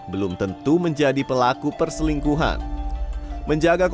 belum tentu menjadi pelaku perselingkuhan